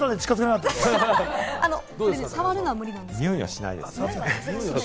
においはしないですね。